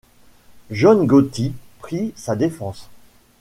John Gotti prit sa défense.